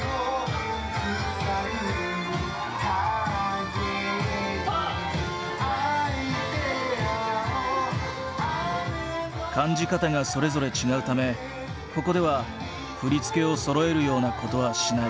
「塞ぐ影にアイデアを」感じ方がそれぞれ違うためここでは振り付けをそろえるようなことはしない。